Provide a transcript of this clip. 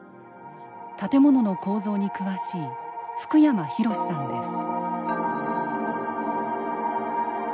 建物の構造に詳しい福山洋さんです。